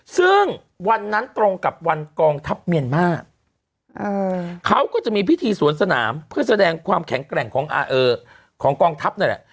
ซึ่งวันนั้นตรงกับวันกองทัพเมียนมาร์เขาก็จะมีพิธีสวนสนามเพื่อแสดงความแข็งแกร่งของกองทัพนั่นแหละ